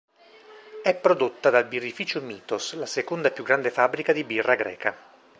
È prodotta dal birrificio Mythos, la seconda più grande fabbrica di birra greca.